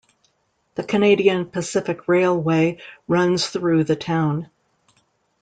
The Canadian Pacific Railway runs through the town.